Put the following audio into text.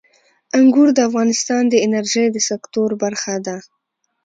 انګور د افغانستان د انرژۍ د سکتور برخه ده.